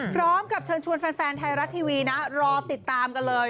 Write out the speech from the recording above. พร้อมกับเชิญชวนแฟนไทยรัฐทีวีนะรอติดตามกันเลย